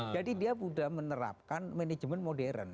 jadi dia sudah menerapkan manajemen modern